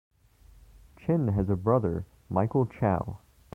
Chin has a brother, Michael Chow.